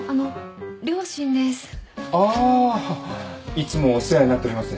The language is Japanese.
いつもお世話になっております。